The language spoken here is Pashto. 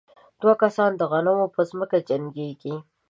دوه کسان د غنمو په ځمکه جنګېږي.